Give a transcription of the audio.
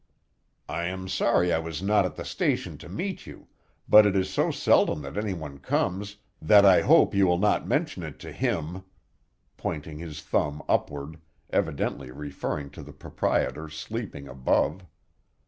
"I am sorry I was not at the station to meet you; but it is so seldom that anyone comes that I hope you will not mention it to him," pointing his thumb upward, evidently referring to the proprietor sleeping above.